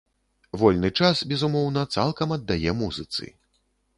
Вольны час, безумоўна, цалкам аддае музыцы.